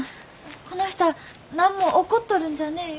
この人はなんも怒っとるんじゃねえよ。